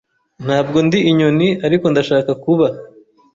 Ntabwo ndi inyoni, ariko ndashaka kuba.